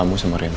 kamu sama rena